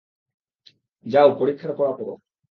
যাও পরীক্ষার পড়া পড়ো।